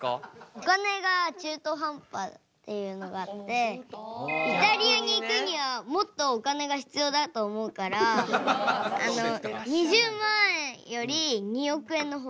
お金が中途半端っていうのがあってイタリアに行くにはもっとお金が必要だと思うから２０万円より２億円の方がいい。